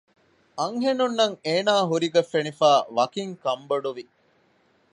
އަންހެނުންނަށް އޭނާ ހުރިގޮތް ފެނިފައި ވަކިން ކަންބޮޑުވި